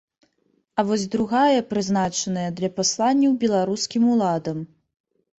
А вось другая прызначаная для пасланняў беларускім уладам.